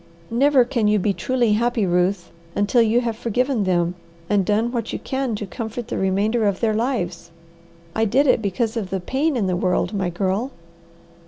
Never can you be truly happy, Ruth, until you have forgiven them, and done what you can to comfort the remainder of their lives. I did it because of the pain in the world, my girl."